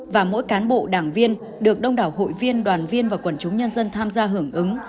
và mỗi cán bộ đảng viên được đông đảo hội viên đoàn viên và quần chúng nhân dân tham gia hưởng ứng